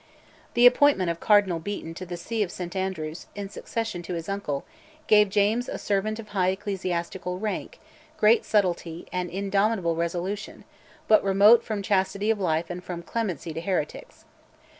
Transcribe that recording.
The appointment of Cardinal Beaton (1539) to the see of St Andrews, in succession to his uncle, gave James a servant of high ecclesiastical rank, great subtlety, and indomitable resolution, but remote from chastity of life and from clemency to heretics.